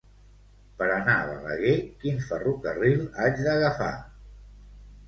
Per anar a Balaguer, quin ferrocarril haig d'agafar?